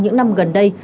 những năm gần đây